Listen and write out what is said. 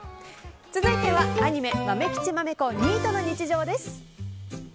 続いてはアニメ「まめきちまめこニートの日常」。